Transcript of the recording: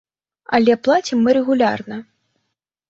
Але плацім мы рэгулярна.